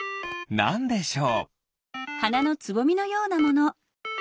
なんでしょう？